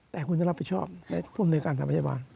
แต่คุณจะรับผิดชอบในผู้โดยการสารพยาบาล